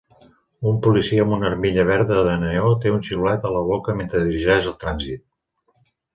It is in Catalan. Un policia amb una armilla verda de neó té un xiulet a la boca mentre dirigeix el trànsit.